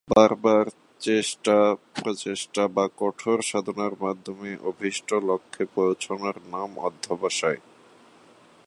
বার বার চেষ্টা, প্রচেষ্টা বা কঠোর সাধনার মাধ্যমে অভীষ্ট লক্ষ্যে পৌছানোর নাম অধ্যবসায়।